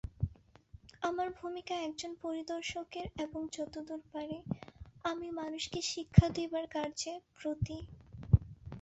আমার ভূমিকা একজন পরিদর্শকের এবং যতদূর পারি, আমি মানুষকে শিক্ষা দিবার কার্যে ব্রতী।